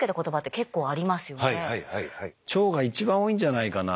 腸が一番多いんじゃないかな。